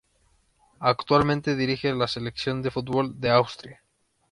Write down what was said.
Actualmente dirige la Selección de fútbol de Austria.